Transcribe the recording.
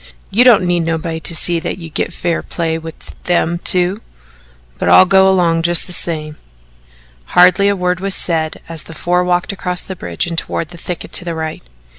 "You don't need nobody to see that you git fair play with them two but I'll go 'long just the same." Hardly a word was said as the four walked across the bridge and toward a thicket to the right.